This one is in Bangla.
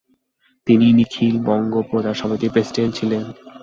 তিনি নিখিল বঙ্গ প্রজা সমিতির প্রেসিডেন্ট ছিলেন।